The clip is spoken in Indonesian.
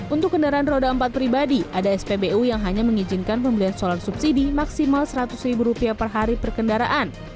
untuk kendaraan roda empat pribadi ada spbu yang hanya mengizinkan pembelian solar subsidi maksimal rp seratus per hari perkendaraan